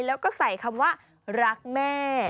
แล้วก็ใส่คำว่ารักแม่